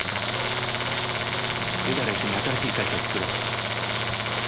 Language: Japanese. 出たら一緒に新しい会社を作ろう。